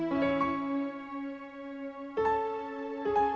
yaudah tuh bu